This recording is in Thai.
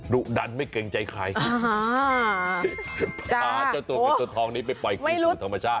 ดุดันไม่เกรงใจใครพาเจ้าตัวเงินตัวทองนี้ไปปล่อยคืนสู่ธรรมชาติ